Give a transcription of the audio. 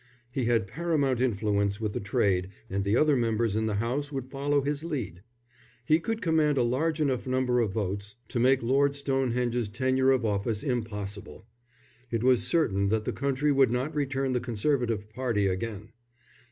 He had paramount influence with the trade and the other members in the House would follow his lead. He could command a large enough number of votes to make Lord Stonehenge's tenure of office impossible. It was certain that the country would not return the Conservative party again.